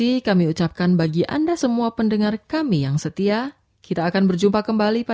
hanya dalam damai tuhan ku terima